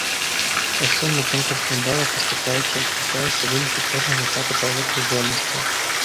У суму конкурсных балаў паступаючых уключаюцца вынікі кожнага этапа праверкі здольнасцей.